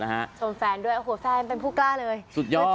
ชมแฟนด้วยโอ้โหแฟนเป็นผู้กล้าเลยสุดยอด